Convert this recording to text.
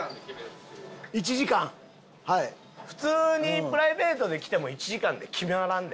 普通にプライベートで来ても１時間で決まらんで。